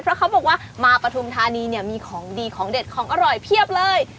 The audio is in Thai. เพราะเขาบอกว่ามาปฐุมธานีเนี่ยมีของดีของเด็ดของอร่อยเพียบเลย